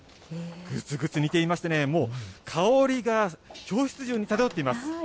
ぐつぐつ煮ていましてね、もう、香りが教室中に漂っています。